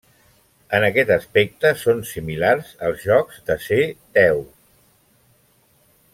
En aquest aspecte són similars als jocs de ser déu.